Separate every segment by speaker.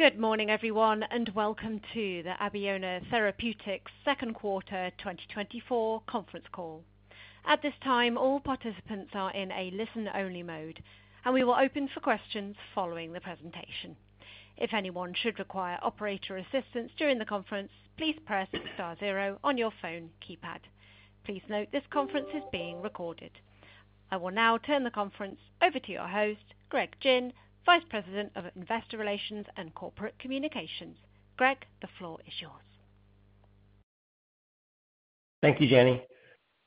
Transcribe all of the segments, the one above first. Speaker 1: Good morning, everyone, and welcome to the Abeona Therapeutics second quarter 2024 conference call. At this time, all participants are in a listen-only mode, and we will open for questions following the presentation. If anyone should require operator assistance during the conference, please press star zero on your phone keypad. Please note, this conference is being recorded. I will now turn the conference over to your host, Greg Gin, Vice President of Investor Relations and Corporate Communications. Greg, the floor is yours.
Speaker 2: Thank you, Jenny.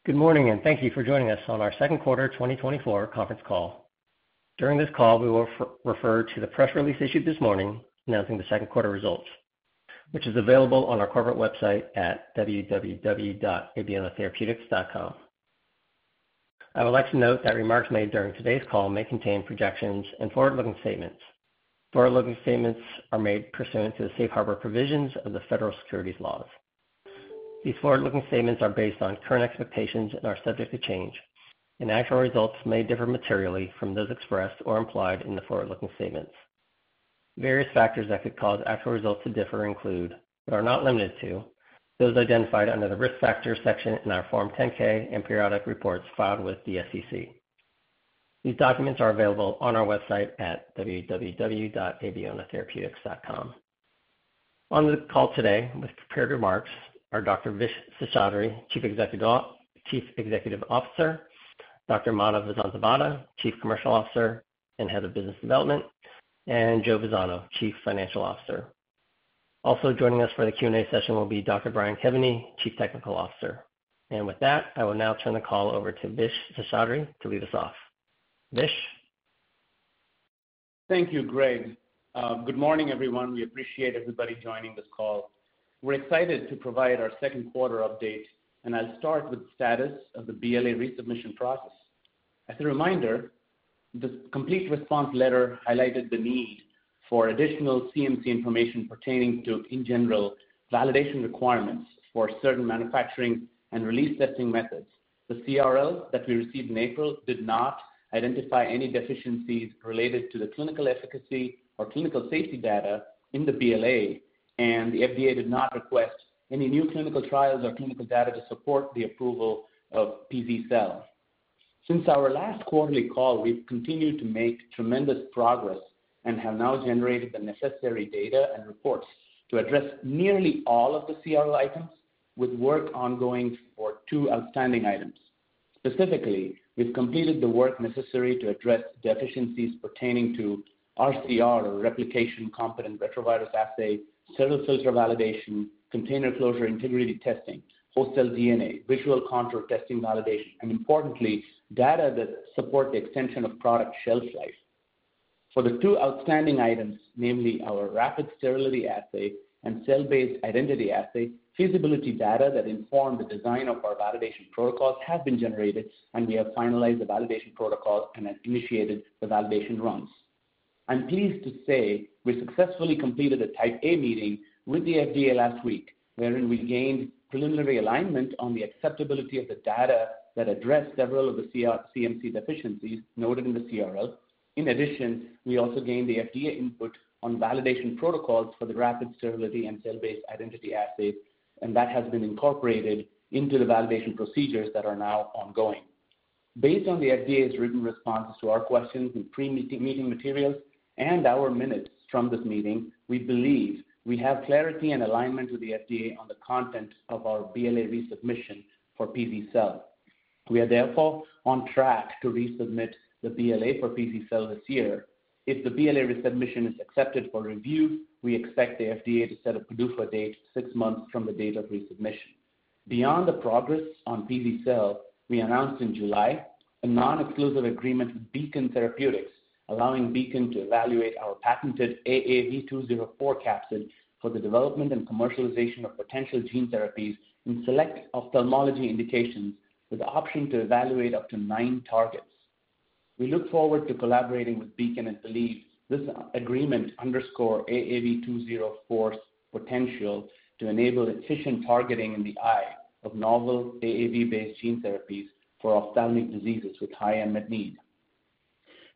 Speaker 2: Good morning, and thank you for joining us on our second quarter 2024 conference call. During this call, we will refer to the press release issued this morning announcing the second quarter results, which is available on our corporate website at www.abeonatherapeutics.com. I would like to note that remarks made during today's call may contain projections and forward-looking statements. Forward-looking statements are made pursuant to the safe harbor provisions of the federal securities laws. These forward-looking statements are based on current expectations and are subject to change, and actual results may differ materially from those expressed or implied in the forward-looking statements. Various factors that could cause actual results to differ include, but are not limited to, those identified under the Risk Factors section in our Form 10-K and periodic reports filed with the SEC. These documents are available on our website at www.abeonatherapeutics.com. On the call today with prepared remarks are Dr. Vish Seshadri, Chief Executive Officer, Dr. Madhav Vasanthavada, Chief Commercial Officer and Head of Business Development, and Joe Vazzano, Chief Financial Officer. Also joining us for the Q&A session will be Dr. Brian Kevany, Chief Technical Officer. With that, I will now turn the call over to Vish Seshadri to lead us off. Vish?
Speaker 3: Thank you, Greg. Good morning, everyone. We appreciate everybody joining this call. We're excited to provide our second quarter update, and I'll start with the status of the BLA resubmission process. As a reminder, the complete response letter highlighted the need for additional CMC information pertaining to, in general, validation requirements for certain manufacturing and release testing methods. The CRL that we received in April did not identify any deficiencies related to the clinical efficacy or clinical safety data in the BLA, and the FDA did not request any new clinical trials or clinical data to support the approval of Pz-cel. Since our last quarterly call, we've continued to make tremendous progress and have now generated the necessary data and reports to address nearly all of the CRL items, with work ongoing for two outstanding items. Specifically, we've completed the work necessary to address deficiencies pertaining to RCR, or replication-competent retrovirus assay, sterile filter validation, container closure integrity testing, whole cell DNA, visual inspection validation, and importantly, data that support the extension of product shelf life. For the two outstanding items, namely our rapid sterility assay and cell-based identity assay, feasibility data that inform the design of our validation protocols have been generated, and we have finalized the validation protocols and have initiated the validation runs. I'm pleased to say we successfully completed a Type A meeting with the FDA last week, wherein we gained preliminary alignment on the acceptability of the data that addressed several of the CMC deficiencies noted in the CRL. In addition, we also gained the FDA input on validation protocols for the rapid sterility and cell-based identity assays, and that has been incorporated into the validation procedures that are now ongoing. Based on the FDA's written responses to our questions in pre-meeting, meeting materials and our minutes from this meeting, we believe we have clarity and alignment with the FDA on the content of our BLA resubmission for Pz-cel. We are therefore on track to resubmit the BLA for Pz-cel this year. If the BLA resubmission is accepted for review, we expect the FDA to set a PDUFA date six months from the date of resubmission. Beyond the progress on Pz-cel, we announced in July a non-exclusive agreement with Beacon Therapeutics, allowing Beacon to evaluate our patented AAV204 capsid for the development and commercialization of potential gene therapies in select ophthalmology indications, with the option to evaluate up to nine targets. We look forward to collaborating with Beacon and believe this agreement underscore AAV204's potential to enable efficient targeting in the eye of novel AAV-based gene therapies for ophthalmic diseases with high unmet need.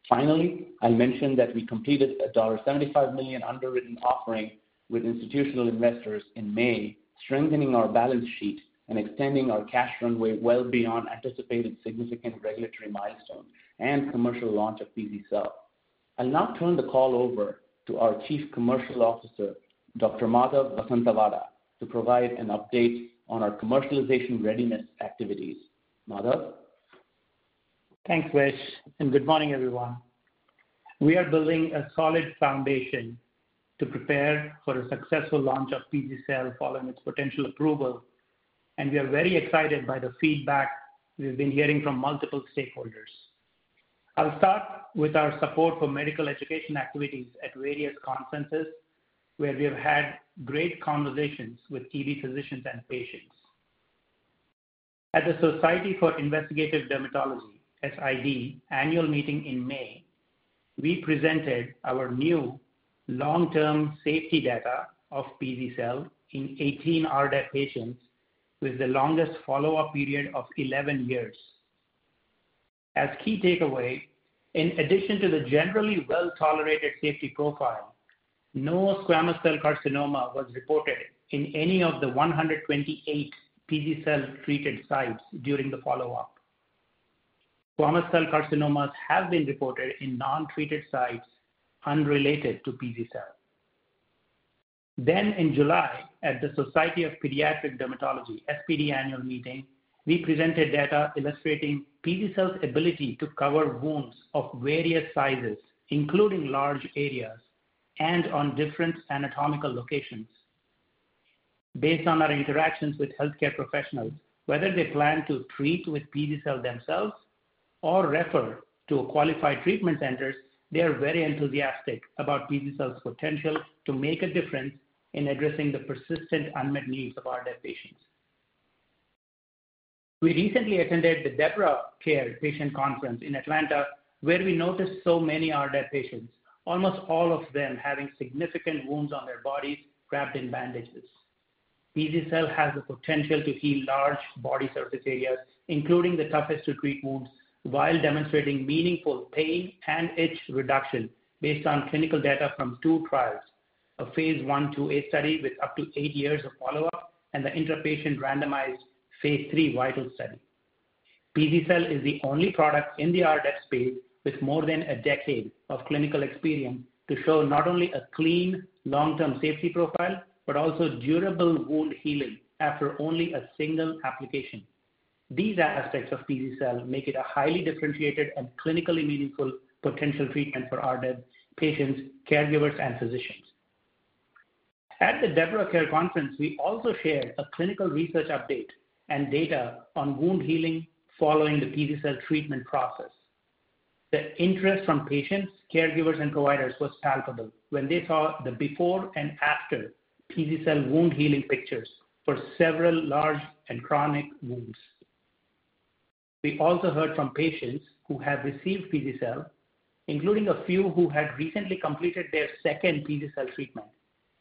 Speaker 3: Finally, I mentioned that we completed a $75 million underwritten offering with institutional investors in May, strengthening our balance sheet and extending our cash runway well beyond anticipated significant regulatory milestones and commercial launch of Pz-cel. I'll now turn the call over to our Chief Commercial Officer, Dr. Madhav Vasanthavada, to provide an update on our commercialization readiness activities. Madhav?
Speaker 4: Thanks, Vish, and good morning, everyone. We are building a solid foundation to prepare for a successful launch of Pz-cel following its potential approval, and we are very excited by the feedback we've been hearing from multiple stakeholders. I'll start with our support for medical education activities at various conferences, where we have had great conversations with key physicians and patients. At the Society for Investigative Dermatology, SID, annual meeting in May, we presented our new long-term safety data of Pz-cel in 18 RDEB patients with the longest follow-up period of 11 years. a key takeaway, in addition to the generally well-tolerated safety profile, no squamous cell carcinoma was reported in any of the 128 Pz-cel treated sites during the follow-up. Squamous cell carcinomas have been reported in non-treated sites unrelated to Pz-cel. In July, at the Society for Pediatric Dermatology SPD Annual Meeting, we presented data illustrating Pz-cel's ability to cover wounds of various sizes, including large areas, and on different anatomical locations. Based on our interactions with healthcare professionals, whether they plan to treat with Pz-cel themselves or refer to qualified treatment centers, they are very enthusiastic about Pz-cel's potential to make a difference in addressing the persistent unmet needs of our patients. We recently attended the DEBRA Care Patient Conference in Atlanta, where we noticed so many of our patients, almost all of them having significant wounds on their bodies, wrapped in bandages. Pz-cel has the potential to heal large body surface areas, including the toughest to treat wounds, while demonstrating meaningful pain and itch reduction based on clinical data from two trials: a phase 1 to 8 study with up to eight years of follow-up, and the intrapatient randomized phase III VITAL study. Pz-cel is the only product in the RDEB space with more than a decade of clinical experience to show not only a clean, long-term safety profile, but also durable wound healing after only a single application. These aspects of Pz-cel make it a highly differentiated and clinically meaningful potential treatment for RDEB patients, caregivers, and physicians. At the DEBRA Care Conference, we also shared a clinical research update and data on wound healing following the Pz-cel treatment process. The interest from patients, caregivers, and providers was palpable when they saw the before and after PD-cell wound healing pictures for several large and chronic wounds. We also heard from patients who have received PD-cell, including a few who had recently completed their second PD-cell treatment.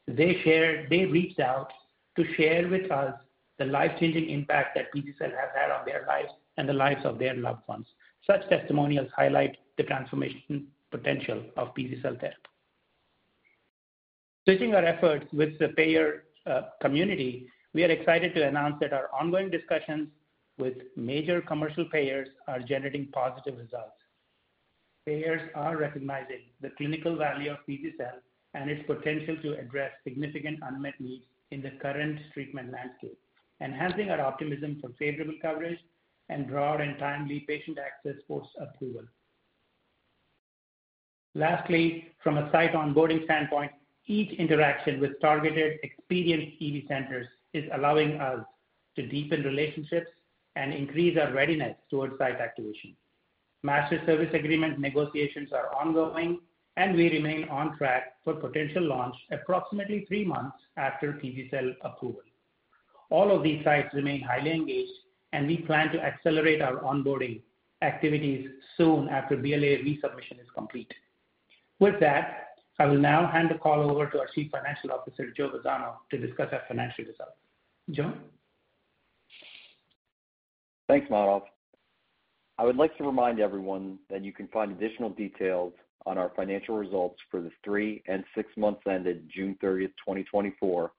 Speaker 4: They shared. They reached out to share with us the life-changing impact that PD-cell has had on their lives and the lives of their loved ones. Such testimonials highlight the transformation potential of PD-cell care. Switching our efforts with the payer community, we are excited to announce that our ongoing discussions with major commercial payers are generating positive results. Payers are recognizing the clinical value of PD-cell and its potential to address significant unmet needs in the current treatment landscape, enhancing our optimism for favorable coverage and broad and timely patient access post-approval. Lastly, from a site onboarding standpoint, each interaction with targeted experienced Pz-cel centers is allowing us to deepen relationships and increase our readiness towards site activation. Master service agreement negotiations are ongoing, and we remain on track for potential launch approximately three months after Pz-cel approval. All of these sites remain highly engaged, and we plan to accelerate our onboarding activities soon after BLA resubmission is complete. With that, I will now hand the call over to our Chief Financial Officer, Joe Vazzano, to discuss our financial results. Joe?
Speaker 5: Thanks, Madhav. I would like to remind everyone that you can find additional details on our financial results for the three and six months ended June 30th, 2024,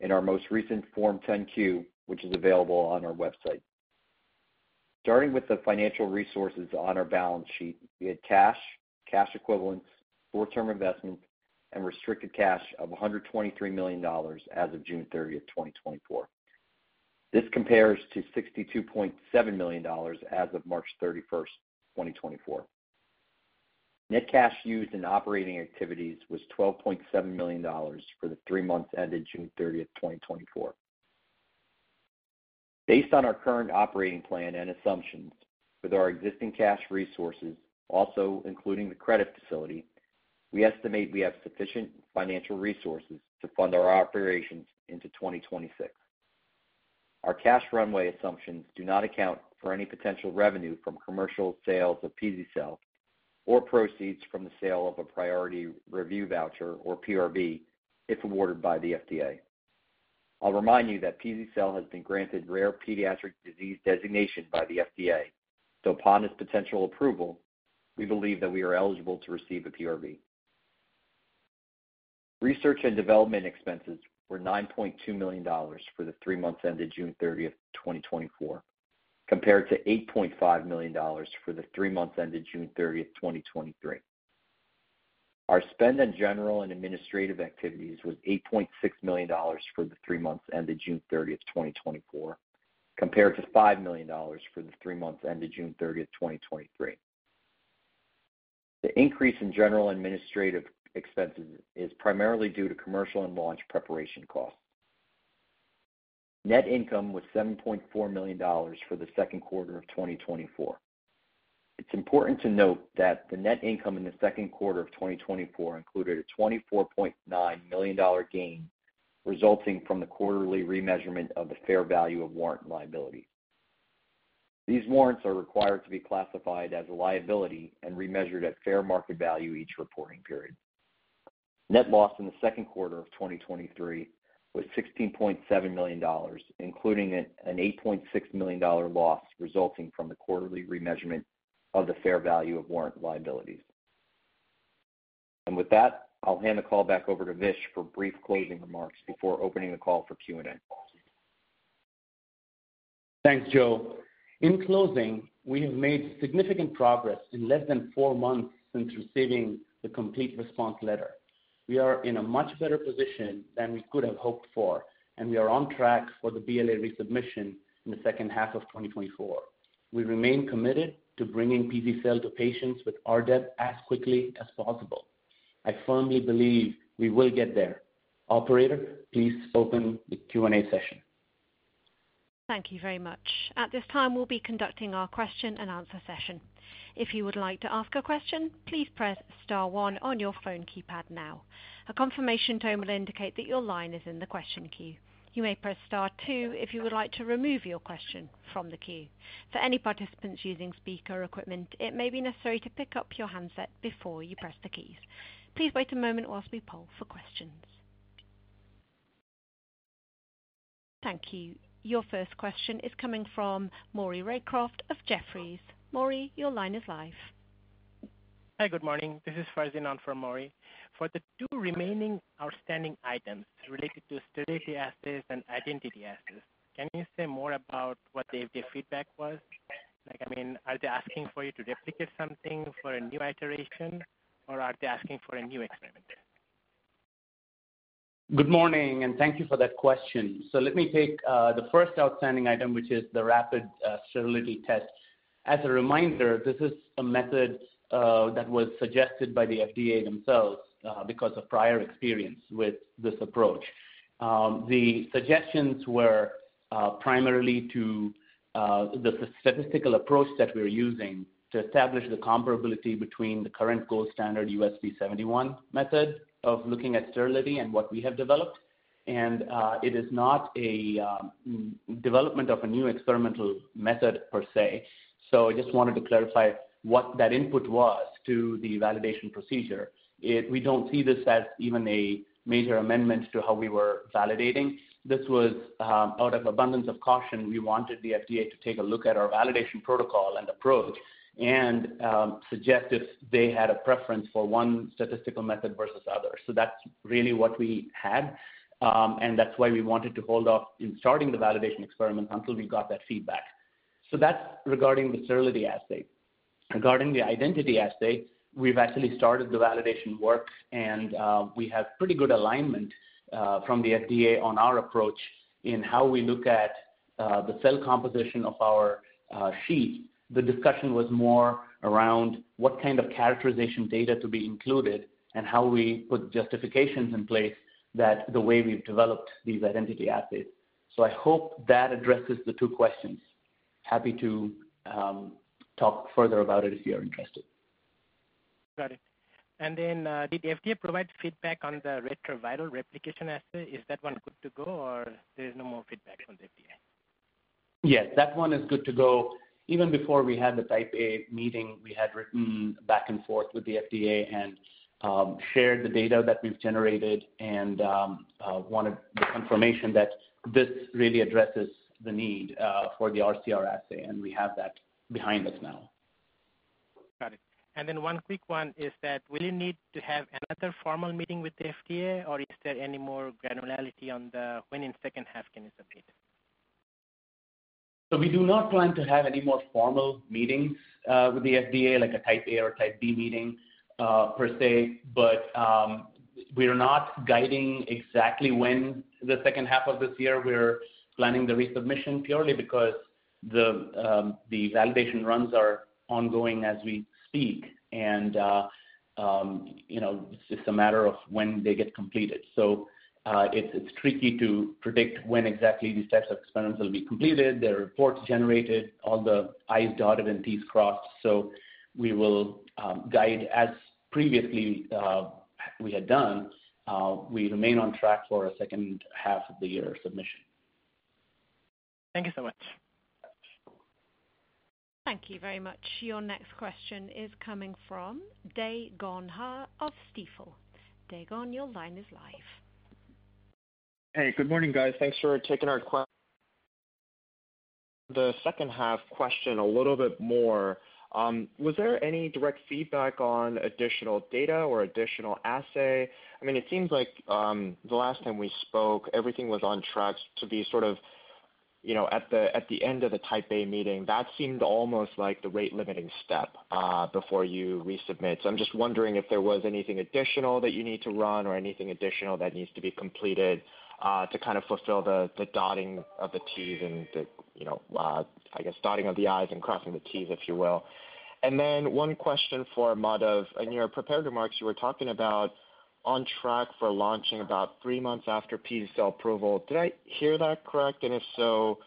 Speaker 5: in our most recent Form 10-Q, which is available on our website. Starting with the financial resources on our balance sheet, we had cash, cash equivalents, short-term investments, and restricted cash of $123 million as of June 30th, 2024. This compares to $62.7 million as of March 31st, 2024. Net cash used in operating activities was $12.7 million for the three months ended June 30th, 2024. Based on our current operating plan and assumptions, with our existing cash resources, also including the credit facility, we estimate we have sufficient financial resources to fund our operations into 2026. Our cash runway assumptions do not account for any potential revenue from commercial sales of Pz-cel or proceeds from the sale of a priority review voucher or PRV, if awarded by the FDA. I'll remind you that Pz-cel has been granted rare pediatric disease designation by the FDA. So upon this potential approval, we believe that we are eligible to receive a PRV. Research and development expenses were $9.2 million for the three months ended June 30th, 2024, compared to $8.5 million for the three months ended June 30th, 2023. Our spend on general and administrative activities was $8.6 million for the three months ended June 30th, 2024, compared to $5 million for the three months ended June 30th, 2023. The increase in general administrative expenses is primarily due to commercial and launch preparation costs. Net income was $7.4 million for the second quarter of 2024. It's important to note that the net income in the second quarter of 2024 included a $24.9 million gain resulting from the quarterly remeasurement of the fair value of warrant liability. These warrants are required to be classified as a liability and remeasured at fair market value each reporting period. ...Net loss in the second quarter of 2023 was $16.7 million, including an $8.6 million loss resulting from the quarterly remeasurement of the fair value of warrant liabilities. And with that, I'll hand the call back over to Vish for brief closing remarks before opening the call for Q&A.
Speaker 3: Thanks, Joe. In closing, we have made significant progress in less than four months since receiving the Complete Response Letter. We are in a much better position than we could have hoped for, and we are on track for the BLA resubmission in the second half of 2024. We remain committed to bringing Pz-cel to patients with RDEB as quickly as possible. I firmly believe we will get there. Operator, please open the Q&A session.
Speaker 1: Thank you very much. At this time, we'll be conducting our question-and-answer session. If you would like to ask a question, please press star one on your phone keypad now. A confirmation tone will indicate that your line is in the question queue. You may press star two if you would like to remove your question from the queue. For any participants using speaker equipment, it may be necessary to pick up your handset before you press the keys. Please wait a moment while we poll for questions. Thank you. Your first question is coming from Maury Raycroft of Jefferies. Maury, your line is live.
Speaker 6: Hi, good morning. This is Farzin from Maury. For the two remaining outstanding items related to sterility assays and identity assays, can you say more about what the FDA feedback was? Like, I mean, are they asking for you to replicate something for a new iteration, or are they asking for a new experiment?
Speaker 3: Good morning, and thank you for that question. So let me take the first outstanding item, which is the rapid sterility test. As a reminder, this is a method that was suggested by the FDA themselves because of prior experience with this approach. The suggestions were primarily to the statistical approach that we're using to establish the comparability between the current gold standard USP 71 method of looking at sterility and what we have developed. And it is not a development of a new experimental method per se. So I just wanted to clarify what that input was to the validation procedure. We don't see this as even a major amendment to how we were validating. This was out of abundance of caution. We wanted the FDA to take a look at our validation protocol and approach and suggest if they had a preference for one statistical method versus other. So that's really what we had, and that's why we wanted to hold off in starting the validation experiment until we got that feedback. So that's regarding the sterility assay. Regarding the identity assay, we've actually started the validation work, and we have pretty good alignment from the FDA on our approach in how we look at the cell composition of our sheet. The discussion was more around what kind of characterization data to be included and how we put justifications in place that the way we've developed these identity assays. So I hope that addresses the two questions. Happy to talk further about it if you are interested.
Speaker 6: Got it. And then, did the FDA provide feedback on the retroviral replication assay? Is that one good to go, or there's no more feedback from the FDA?
Speaker 3: Yes, that one is good to go. Even before we had the Type A meeting, we had written back and forth with the FDA and shared the data that we've generated and wanted the confirmation that this really addresses the need for the RCR assay, and we have that behind us now.
Speaker 6: Got it. And then one quick one is that, will you need to have another formal meeting with the FDA, or is there any more granularity on the, when in second half can you submit it?
Speaker 3: So we do not plan to have any more formal meetings with the FDA, like a Type A or Type B meeting, per se. But we are not guiding exactly when the second half of this year we're planning the resubmission, purely because the validation runs are ongoing as we speak. And you know, it's just a matter of when they get completed. So it's tricky to predict when exactly these types of experiments will be completed, the reports generated, all the I's dotted and Ts crossed. So we will guide as previously we had done. We remain on track for a second half of the year submission.
Speaker 6: Thank you so much.
Speaker 1: Thank you very much. Your next question is coming from Dae Gon Ha of Stifel. Dae Gon Ha, your line is live.
Speaker 7: Hey, good morning, guys. Thanks for taking our question a little bit more. Was there any direct feedback on additional data or additional assay? I mean, it seems like, the last time we spoke, everything was on track to be sort of, you know, at the end of the Type A Meeting, that seemed almost like the rate-limiting step before you resubmit. So I'm just wondering if there was anything additional that you need to run or anything additional that needs to be completed to kind of fulfill the dotting of the Ts and the, you know, I guess, dotting of the I's and crossing the Ts, if you will. And then one question for Madhav. In your prepared remarks, you were talking about on track for launching about three months after Pz-cel approval. Did I hear that correct? If so,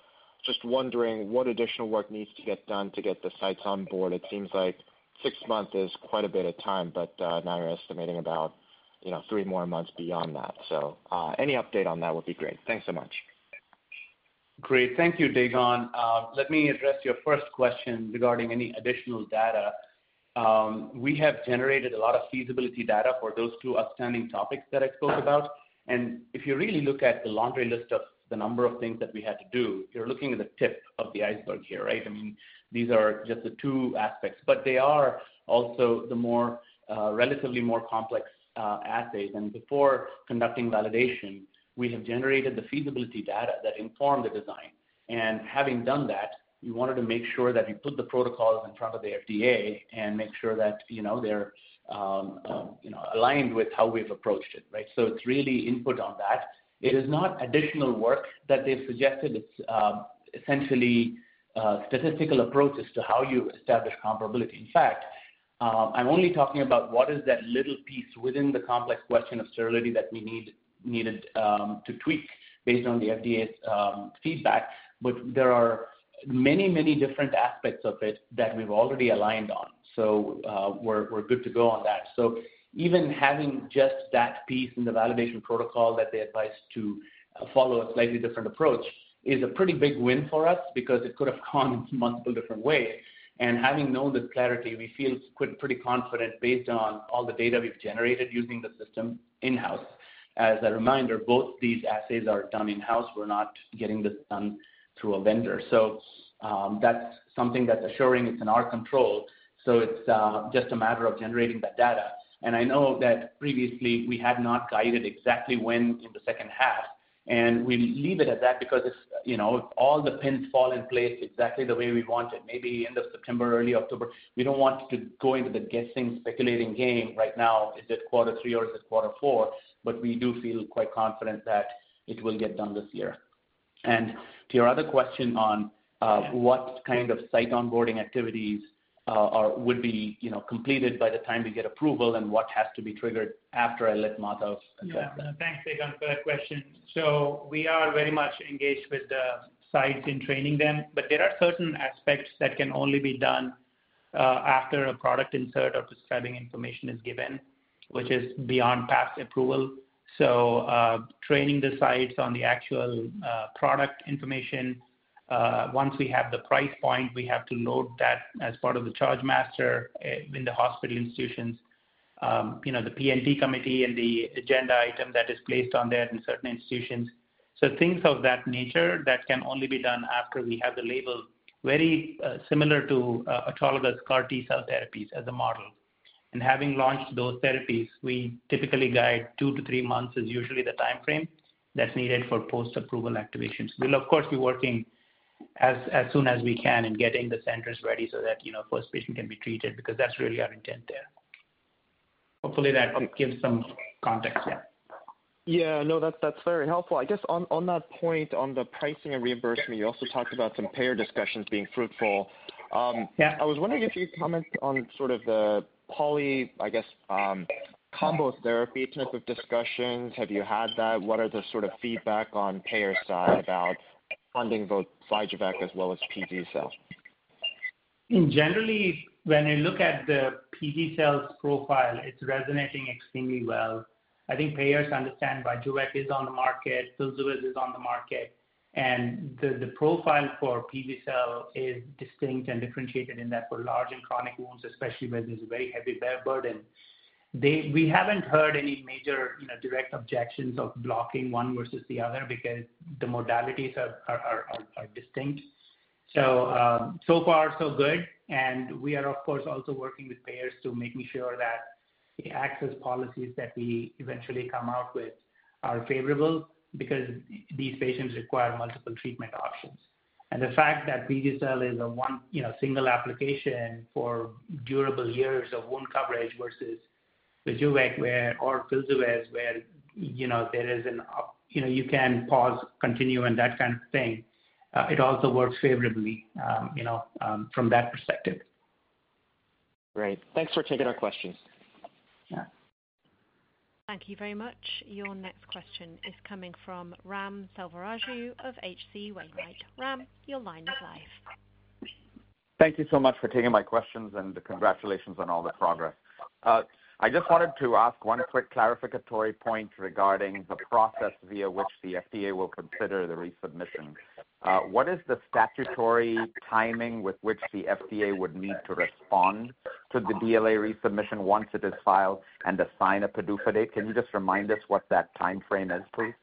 Speaker 7: just wondering what additional work needs to get done to get the sites on board. It seems like six months is quite a bit of time, but now you're estimating about, you know, three more months beyond that. So, any update on that would be great. Thanks so much....
Speaker 3: Great. Thank you, Dae Gon Ha. Let me address your first question regarding any additional data. We have generated a lot of feasibility data for those two outstanding topics that I spoke about. And if you really look at the laundry list of the number of things that we had to do, you're looking at the tip of the iceberg here, right? I mean, these are just the two aspects, but they are also the more, relatively more complex assays. And before conducting validation, we have generated the feasibility data that inform the design. And having done that, we wanted to make sure that we put the protocols in front of the FDA and make sure that, you know, they're, you know, aligned with how we've approached it, right? So it's really input on that. It is not additional work that they've suggested. It's essentially statistical approaches to how you establish comparability. In fact, I'm only talking about what is that little piece within the complex question of sterility that we needed to tweak based on the FDA's feedback, but there are many, many different aspects of it that we've already aligned on. So, we're good to go on that. So even having just that piece in the validation protocol that they advised to follow a slightly different approach, is a pretty big win for us because it could have gone multiple different ways. And having known this clarity, we feel pretty confident based on all the data we've generated using the system in-house. As a reminder, both these assays are done in-house. We're not getting this done through a vendor. So, that's something that's assuring it's in our control, so it's just a matter of generating that data. And I know that previously we had not guided exactly when in the second half, and we leave it at that because it's, you know, all the pins fall in place exactly the way we want it, maybe end of September, early October. We don't want to go into the guessing, speculating game right now. Is it quarter three or is it quarter four? But we do feel quite confident that it will get done this year. And to your other question on what kind of site onboarding activities would be, you know, completed by the time we get approval and what has to be triggered after, I'll let Madhav address that.
Speaker 4: Yeah. Thanks, Dae Gon Ha, for that question. So we are very much engaged with the sites in training them, but there are certain aspects that can only be done after a product insert or prescribing information is given, which is beyond past approval. So training the sites on the actual product information once we have the price point, we have to load that as part of the charge master in the hospital institutions, you know, the P&T committee and the agenda item that is placed on there in certain institutions. So things of that nature, that can only be done after we have the label, very similar to all of the CAR T-cell therapies as a model. And having launched those therapies, we typically guide 2-3 months is usually the timeframe that's needed for post-approval activations. We'll, of course, be working as soon as we can in getting the centers ready so that, you know, first patient can be treated, because that's really our intent there. Hopefully, that gives some context there.
Speaker 7: Yeah, no, that's, that's very helpful. I guess on, on that point, on the pricing and reimbursement, you also talked about some payer discussions being fruitful.
Speaker 4: Yeah.
Speaker 8: I was wondering if you could comment on sort of the poly, I guess, combo therapy type of discussions. Have you had that? What are the sort of feedback on payer side about funding both Filsuvez as well as PG cells?
Speaker 4: Generally, when I look at the Pz-cel profile, it's resonating extremely well. I think payers understand Vyjuvek is on the market, Filsuvez is on the market, and the profile for Pz-cel is distinct and differentiated in that for large and chronic wounds, especially where there's a very heavy bacterial burden. We haven't heard any major, you know, direct objections of blocking one versus the other because the modalities are distinct. So, so far so good, and we are, of course, also working with payers to making sure that the access policies that we eventually come out with are favorable because these patients require multiple treatment options. The fact that Pz-cel is a one, you know, single application for durable years of wound coverage versus the Filsuvez, where, you know, there is an option, you know, you can pause, continue, and that kind of thing. It also works favorably, you know, from that perspective.
Speaker 7: Great. Thanks for taking our questions.
Speaker 4: Yeah.
Speaker 1: Thank you very much. Your next question is coming from Ram Selvaraju of H.C. Wainwright. Ram, your line is live.
Speaker 9: Thank you so much for taking my questions, and congratulations on all the progress. I just wanted to ask one quick clarificatory point regarding the process via which the FDA will consider the resubmission. What is the statutory timing with which the FDA would need to respond to the BLA resubmission once it is filed and assign a PDUFA date? Can you just remind us what that timeframe is, please?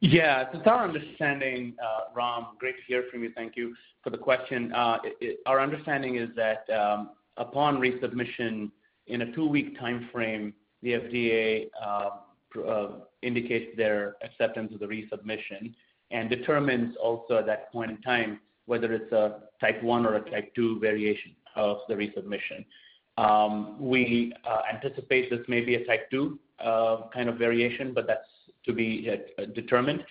Speaker 3: Yeah. To our understanding, Ram, great to hear from you. Thank you for the question. Our understanding is that, upon resubmission, in a 2-week timeframe, the FDA indicates their acceptance of the resubmission and determines also at that point in time, whether it's a type one or a type two variation of the resubmission. We anticipate this may be a type two kind of variation, but that's to be determined.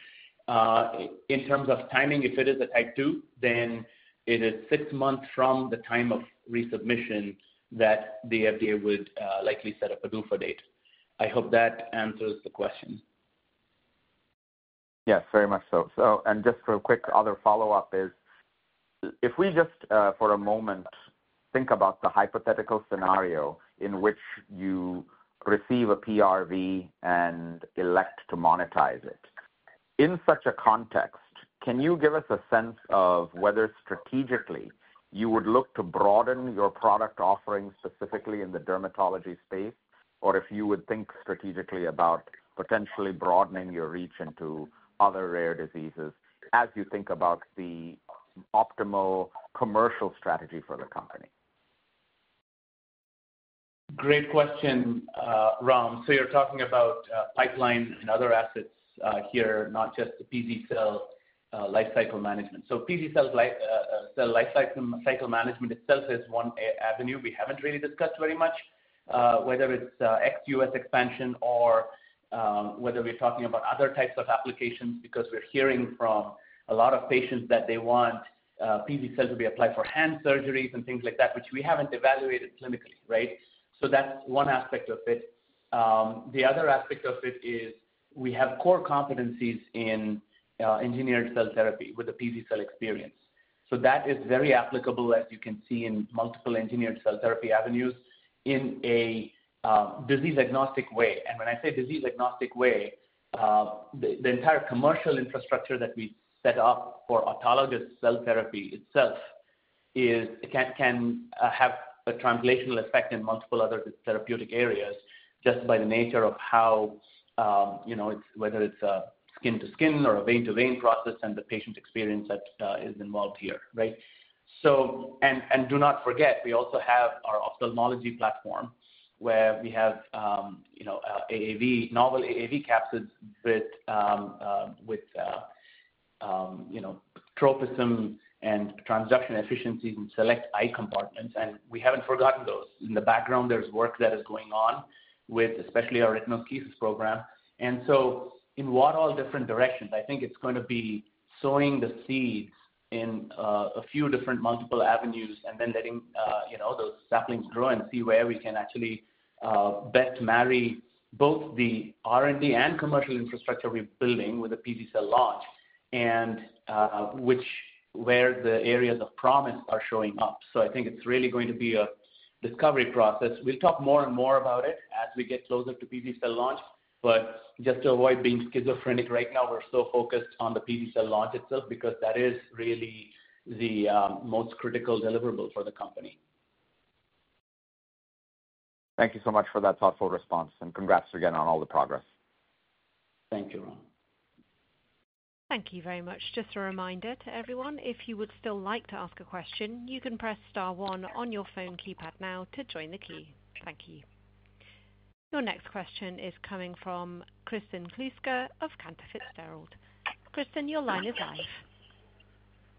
Speaker 3: In terms of timing, if it is a type two, then it is six months from the time of resubmission that the FDA would likely set a PDUFA date. I hope that answers the question.
Speaker 9: Yes, very much so. So, and just for a quick other follow-up. If we just, for a moment, think about the hypothetical scenario in which you receive a PRV and elect to monetize it. In such a context, can you give us a sense of whether strategically you would look to broaden your product offerings, specifically in the dermatology space, or if you would think strategically about potentially broadening your reach into other rare diseases as you think about the optimal commercial strategy for the company?
Speaker 4: Great question, Ram. So you're talking about pipeline and other assets here, not just the Pz-cel lifecycle management. So Pz-cel lifecycle management itself is one avenue we haven't really discussed very much, whether it's ex-U.S. expansion or whether we're talking about other types of applications, because we're hearing from a lot of patients that they want Pz-cel to be applied for hand surgeries and things like that, which we haven't evaluated clinically, right? So that's one aspect of it. The other aspect of it is we have core competencies in engineered cell therapy with the Pz-cel experience. So that is very applicable, as you can see, in multiple engineered cell therapy avenues in a disease-agnostic way. And when I say disease-agnostic way, the entire commercial infrastructure that we set up for autologous cell therapy itself is. It can have a translational effect in multiple other therapeutic areas, just by the nature of how, you know, it's whether it's a skin-to-skin or a vein-to-vein process and the patient experience that is involved here, right? So... And do not forget, we also have our ophthalmology platform, where we have, you know, AAV, novel AAV capsids with with you know tropism and transduction efficiencies in select eye compartments, and we haven't forgotten those. In the background, there's work that is going on, with especially our retinal RS1 program. And so in what all different directions, I think it's going to be sowing the seeds in a few different multiple avenues and then letting you know those saplings grow and see where we can actually best marry both the R&D and commercial infrastructure we're building with the Pz-cel launch, and which where the areas of promise are showing up. So I think it's really going to be a discovery process. We'll talk more and more about it as we get closer to Pz-cel launch, but just to avoid being schizophrenic right now, we're so focused on the Pz-cel launch itself, because that is really the most critical deliverable for the company.
Speaker 10: Thank you so much for that thoughtful response, and congrats again on all the progress.
Speaker 3: Thank you, Ram.
Speaker 1: Thank you very much. Just a reminder to everyone, if you would still like to ask a question, you can press star one on your phone keypad now to join the queue. Thank you. Your next question is coming from Kristen Kluska of Cantor Fitzgerald. Kristen, your line is live.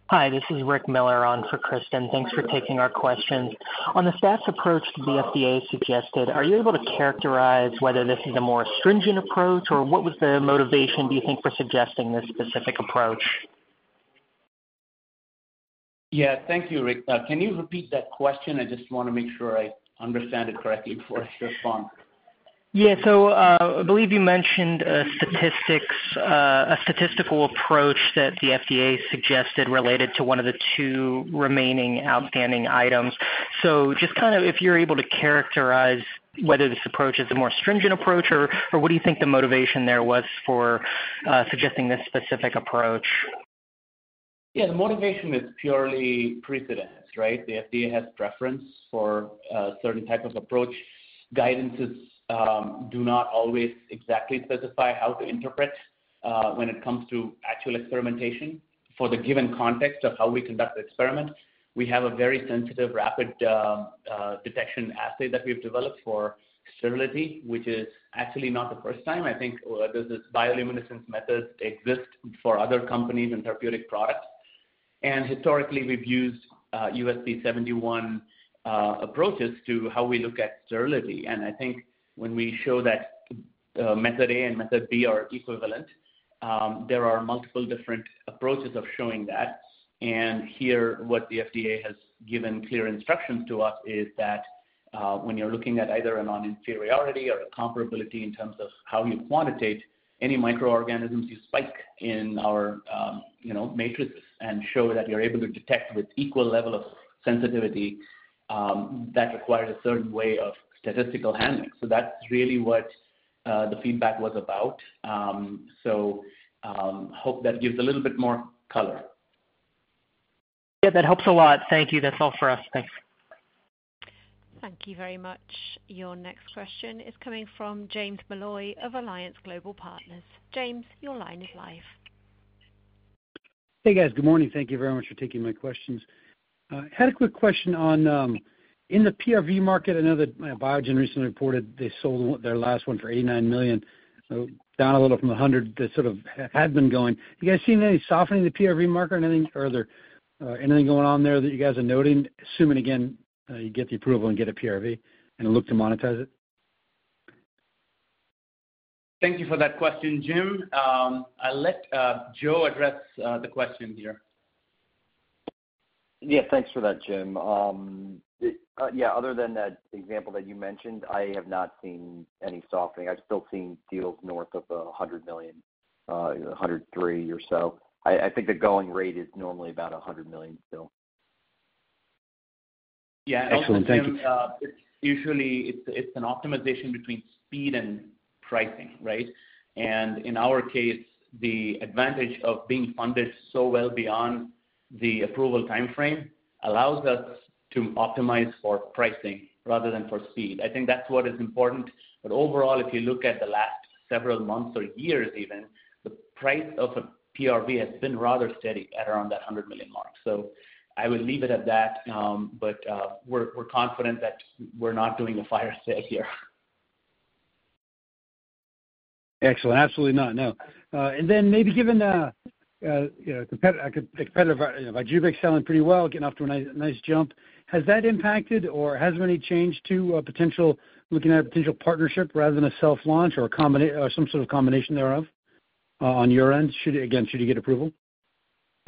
Speaker 11: Hi, this is Rick Miller on for Kristen. Thanks for taking our question. On the fast approach the FDA suggested, are you able to characterize whether this is a more stringent approach, or what was the motivation, do you think, for suggesting this specific approach?
Speaker 3: Yeah. Thank you, Rick. Can you repeat that question? I just wanna make sure I understand it correctly before I respond.
Speaker 12: Yeah. So, I believe you mentioned, statistics, a statistical approach that the FDA suggested, related to one of the two remaining outstanding items. So just kind of if you're able to characterize whether this approach is a more stringent approach, or, or what do you think the motivation there was for, suggesting this specific approach?
Speaker 3: Yeah, the motivation is purely precedence, right? The FDA has preference for a certain type of approach. Guidances do not always exactly specify how to interpret when it comes to actual experimentation. For the given context of how we conduct the experiment, we have a very sensitive, rapid detection assay that we've developed for sterility, which is actually not the first time. I think there's this bioluminescence methods exist for other companies and therapeutic products. And historically, we've used USP 71 approaches to how we look at sterility. And I think when we show that method A and method B are equivalent, there are multiple different approaches of showing that. Here, what the FDA has given clear instructions to us is that, when you're looking at either a non-inferiority or a comparability in terms of how you quantitate any microorganisms, you spike in our, you know, matrices and show that you're able to detect with equal level of sensitivity, that requires a certain way of statistical handling. So that's really what the feedback was about. So, hope that gives a little bit more color.
Speaker 6: Yeah, that helps a lot. Thank you. That's all for us. Thanks.
Speaker 1: Thank you very much. Your next question is coming from James Molloy of Alliance Global Partners. James, your line is live.
Speaker 13: Hey, guys. Good morning. Thank you very much for taking my questions. Had a quick question on in the PRV market. I know that Biogen recently reported they sold their last one for $89 million, down a little from $100 million, that sort of had been going. Have you guys seen any softening in the PRV market or anything, or are there anything going on there that you guys are noting, assuming, again, you get the approval and get a PRV and look to monetize it?
Speaker 3: Thank you for that question, Jim. I'll let Joe address the question here.
Speaker 5: Yeah, thanks for that, Jim. Yeah, other than that example that you mentioned, I have not seen any softening. I've still seen deals north of $100 million.... 103 or so. I think the going rate is normally about $100 million, still.
Speaker 13: Yeah. Excellent. Thank you.
Speaker 5: It's usually an optimization between speed and pricing, right? And in our case, the advantage of being funded so well beyond the approval time frame allows us to optimize for pricing rather than for speed. I think that's what is important. But overall, if you look at the last several months or years even, the price of a PRV has been rather steady at around that $100 million mark. So I would leave it at that, but we're confident that we're not doing a fire sale here.
Speaker 13: Excellent. Absolutely not, no. And then maybe given the, you know, competitive Vyjuvek selling pretty well, getting off to a nice jump, has that impacted or has there any change to potential looking at a potential partnership rather than a self-launch or combination or some sort of combination thereof, on your end, should, again, should you get approval?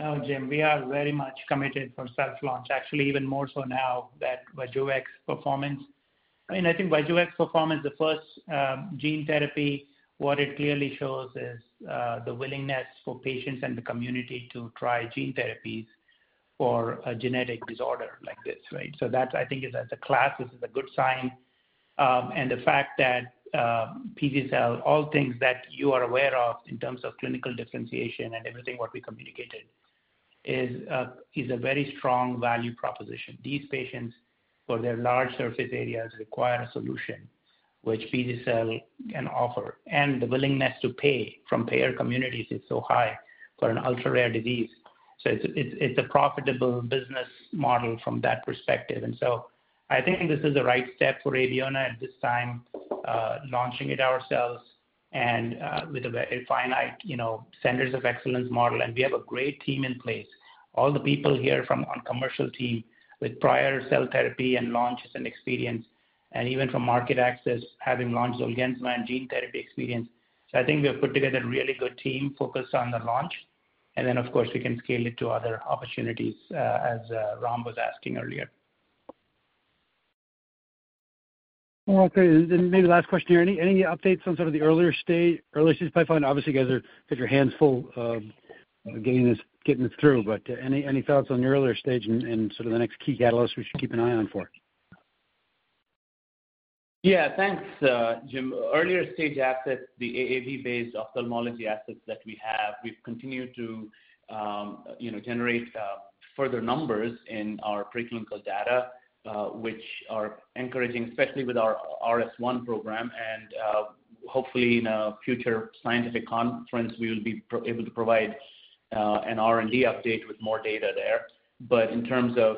Speaker 4: Oh, Jim, we are very much committed for self-launch, actually, even more so now that Vyjuvek's performance... I mean, I think Vyjuvek's performance, the first, gene therapy, what it clearly shows is, the willingness for patients and the community to try gene therapies for a genetic disorder like this, right? So that, I think, is as a class, this is a good sign. And the fact that, Pz-cel, all things that you are aware of in terms of clinical differentiation and everything, what we communicated, is, is a very strong value proposition. These patients, for their large surface areas, require a solution which Pz-cel can offer, and the willingness to pay from payer communities is so high for an ultra-rare disease. So it's, it's, it's a profitable business model from that perspective. So I think this is the right step for Abeona at this time, launching it ourselves and with a very finite, you know, centers of excellence model. We have a great team in place. All the people here from our commercial team with prior cell therapy and launch and experience, and even from market access, having launched Orgovyx and gene therapy experience. So I think we have put together a really good team focused on the launch, and then, of course, we can scale it to other opportunities, as Ram was asking earlier.
Speaker 13: Okay, then maybe last question here. Any, any updates on sort of the earlier stage, early stage pipeline? Obviously, you guys are... have your hands full, getting this, getting this through, but, any, any thoughts on the earlier stage and, and sort of the next key catalyst we should keep an eye on for?
Speaker 3: Yeah. Thanks, Jim. Earlier stage assets, the AAV-based ophthalmology assets that we have, we've continued to, you know, generate further numbers in our preclinical data, which are encouraging, especially with our RS1 program, and hopefully in a future scientific conference, we will be probably able to provide an R&D update with more data there. But in terms of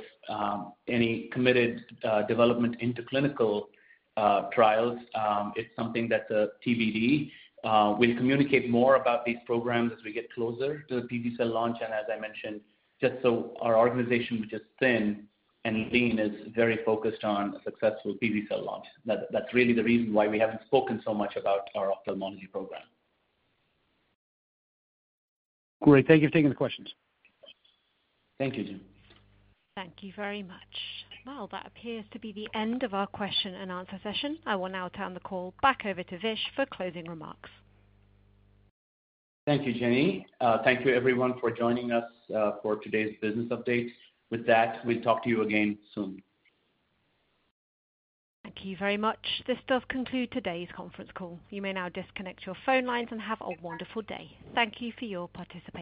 Speaker 3: any committed development into clinical trials, it's something that's TBD. We'll communicate more about these programs as we get closer to the Pz-cel launch, and as I mentioned, just so our organization, which is thin and lean, is very focused on a successful Pz-cel launch. That's really the reason why we haven't spoken so much about our ophthalmology program.
Speaker 13: Great. Thank you for taking the questions.
Speaker 3: Thank you, Jim.
Speaker 1: Thank you very much. Well, that appears to be the end of our question and answer session. I will now turn the call back over to Vish for closing remarks.
Speaker 3: Thank you, Jenny. Thank you, everyone, for joining us, for today's business update. With that, we'll talk to you again soon.
Speaker 1: Thank you very much. This does conclude today's conference call. You may now disconnect your phone lines and have a wonderful day. Thank you for your participation.